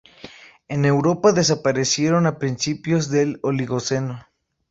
En Europa desaparecieron a principios del Oligoceno.